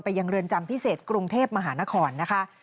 ยังเรือนจำพิเศษกรุงเทพมหานครนะคะ